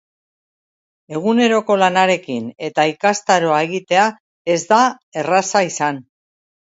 Eguneroko lanarekin eta ikastaroa egitea, ez da erraza izan.